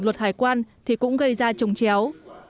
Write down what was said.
luật hải quan thì cũng gây ra trồng chéo